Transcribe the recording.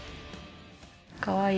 かわいい。